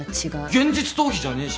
現実逃避じゃねぇし。